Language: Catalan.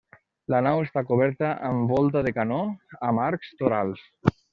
La nau està coberta amb volta de canó amb arcs torals.